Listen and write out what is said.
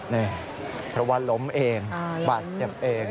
นี่เพราะว่าล้มเองบาดเจ็บเอง